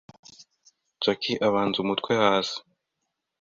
Jackie abanza umutwe hasi